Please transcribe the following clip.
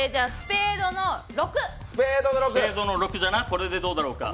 これでどうだろうか？